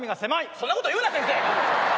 そんなこと言うな先生。